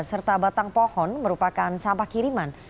serta batang pohon merupakan sampah kiriman